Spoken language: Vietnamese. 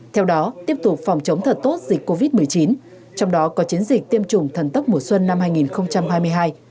theo đó tiếp tục phòng chống thật tốt dịch covid một mươi chín trong đó có chiến dịch tiêm chủng thần tốc mùa xuân năm hai nghìn hai mươi hai